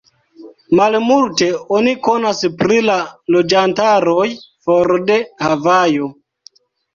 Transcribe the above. Malmulte oni konas pri la loĝantaroj for de Havajo.